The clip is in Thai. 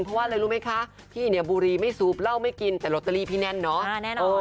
เพราะว่าเลยรู้ไหมคะพี่เนี่ยบุรีไม่ซูบเล่าไม่กินแต่โรตเตอรีพี่แนนเนอะอ่าแน่นอน